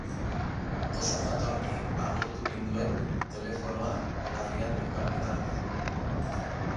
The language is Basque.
Oso jatorki agurtu ninduen telefonoa belarrian neukan bitartean.